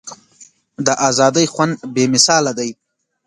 د ازادۍ خوند بې مثاله دی.